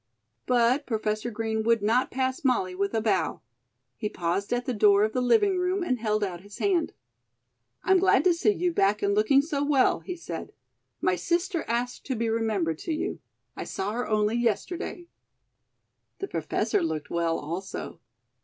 But Professor Green would not pass Molly with a bow. He paused at the door of the living room and held out his hand. "I'm glad to see you back and looking so well," he said. "My sister asked to be remembered to you. I saw her only yesterday." The Professor looked well, also.